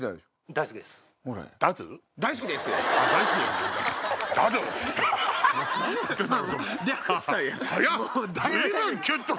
「大好きです」やな。